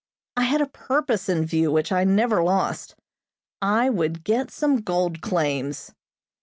I had a purpose in view which I never lost. I would get some gold claims.